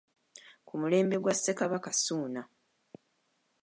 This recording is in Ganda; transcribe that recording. Ku mulembe gwa Ssekabaka Ssuuna.